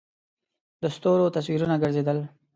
د ستورو تصویرونه گرځېدل.